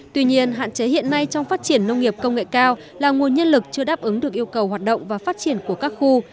tuy nhiên hạn chế hiện nay trong phát triển nông nghiệp công nghệ cao là nguồn nhân lực chưa đáp ứng được yêu cầu hoạt động và phát triển của các khu